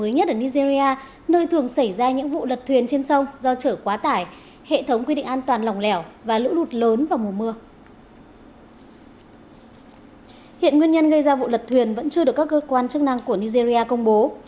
hiện nguyên nhân gây ra vụ lật thuyền vẫn chưa được các cơ quan chức năng của nigeria công bố